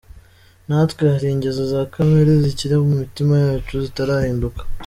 Natwe hari ingeso za kamere zikiri mu mitima yacu zitarahinduka.